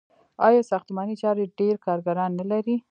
آیا ساختماني چارې ډیر کارګران نلري؟